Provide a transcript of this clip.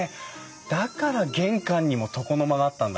だから玄関にも床の間があったんだ。